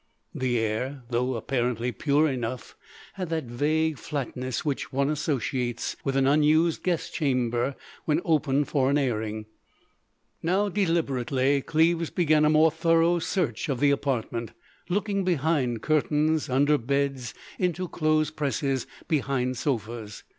The air, though apparently pure enough, had that vague flatness which one associates with an unused guest chamber when opened for an airing. Now, deliberately, Cleves began a more thorough search of the apartment, looking behind curtains, under beds, into clothes presses, behind sofas.